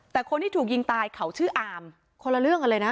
แต่คนที่ถูกยิงตายเขาชื่ออามคนละเรื่องกันเลยนะ